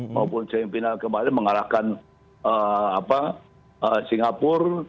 maupun semi final kemarin mengalahkan singapura